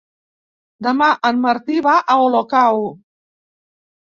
Demà en Martí va a Olocau.